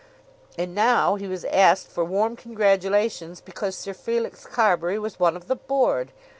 And now he was asked for warm congratulations because Sir Felix Carbury was one of the Board!